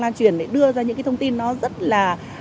lan truyền để đưa ra những cái thông tin nó rất là